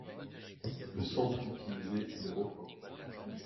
Le sample utilisé est le refrain.